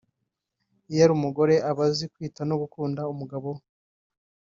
Iyo ari umugore aba azi kwita no gukunda umuryango we